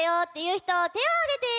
ひとてをあげて！